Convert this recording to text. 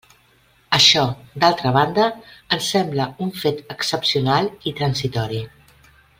Això, d'altra banda, em sembla un fet excepcional i transitori.